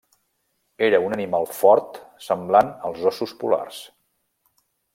Era un animal fort semblant als óssos polars.